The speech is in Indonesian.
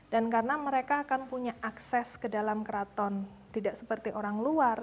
dan karena mereka akan punya akses ke dalam keraton tidak seperti orang luar